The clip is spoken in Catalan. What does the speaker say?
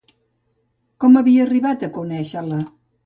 Com havia arribat a conèixer-la?